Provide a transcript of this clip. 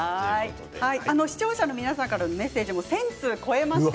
視聴者の皆さんからのメッセージも１０００通を超えました。